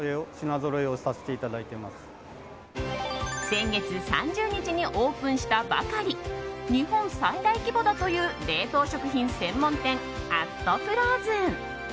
先月３０日にオープンしたばかり日本最大規模だという冷凍食品専門店＠ＦＲＯＺＥＮ。